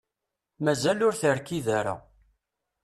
Mazal ur terkid ara.